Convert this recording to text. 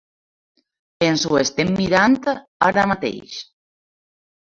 Ens ho estem mirant ara mateix.